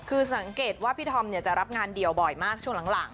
คือสังเกตว่าพี่ธอมจะรับงานเดียวบ่อยมากช่วงหลัง